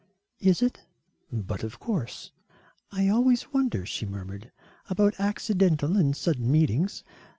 "Is it?" "But of course." "I always wonder," she murmured, "about accidental and sudden meetings.